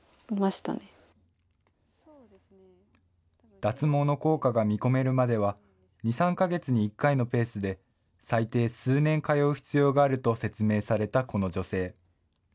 脱毛の効果が見込めるまでは、２、３か月に１回のペースで、最低数年通う必要があると説明されたこの女性。